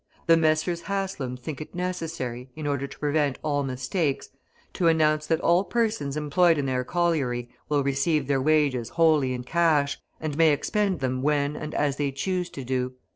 "The Messrs. Haslam think it necessary, in order to prevent all mistakes, to announce that all persons employed in their colliery will receive their wages wholly in cash, and may expend them when and as they choose to do.